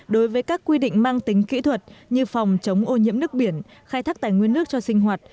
đối với các quy định mang tính kỹ thuật như phòng chống ô nhiễm nước biển khai thác tài nguyên nước cho sinh hoạt